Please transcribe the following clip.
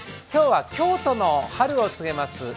今日は京都の春を告げます